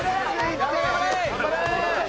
頑張れ！